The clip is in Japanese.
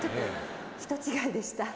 「人」違いでした。